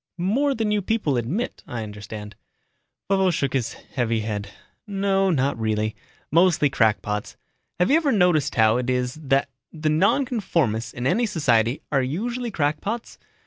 "More than you people admit, I understand." Vovo shook his heavy head. "No, not really. Mostly crackpots. Have you ever noticed how it is that the nonconformists in any society are usually crackpots?